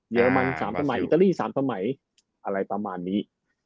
เรมัน๓สมัยอิตาลี๓สมัยอะไรประมาณนี้